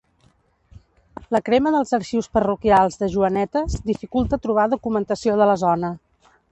La crema dels arxius parroquials de Joanetes dificulta trobar documentació de la zona.